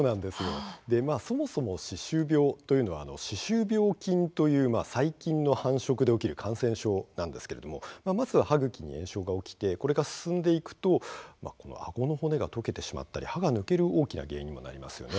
そもそも歯周病というのは歯周病菌という、細菌の繁殖で起きる感染症なんですけれどもまずは歯ぐきに炎症が起きてこれが進んでいくとあごの骨が溶けてしまったり歯を抜ける大きな原因にもなりますよね。